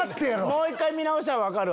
もう１回見直したら分かるわ。